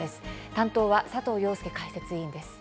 担当は佐藤庸介解説委員です。